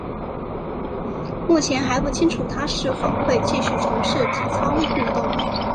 目前还不清楚她是否会继续从事体操运动。